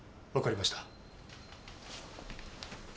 分かりました。